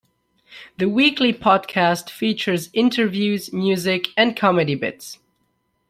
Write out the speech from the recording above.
The weekly podcast features interviews, music and comedy bits.